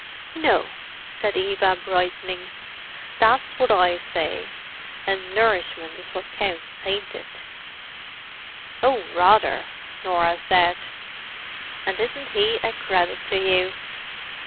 "No," said Eva brightening. "That's wot I says. An' nourishment is wot counts, ain't it?" "Oh, rather!" Norah said. "And isn't he a credit to you!